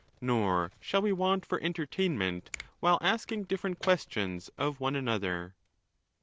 Nor shall we want for entertainment while asking different questions of one another.